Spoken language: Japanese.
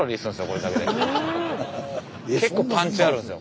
結構パンチあるんすよ。